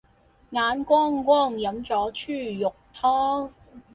眼光光，飲咗豬肉湯